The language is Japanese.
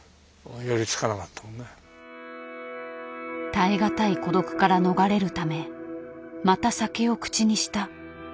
耐え難い孤独から逃れるためまた酒を口にした。